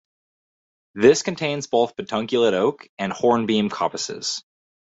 This contains both pedunculate oak and hornbeam coppices.